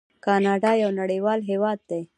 کاناډا یو نړیوال هیواد دی.